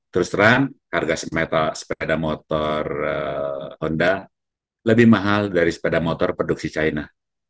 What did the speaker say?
terus terang harga sepeda motor honda lebih mahal dari sepeda motor produksi china